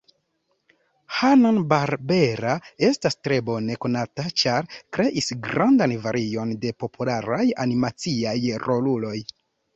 Hanna-Barbera estas tre bone konata ĉar kreis grandan varion de popularaj animaciaj roluloj.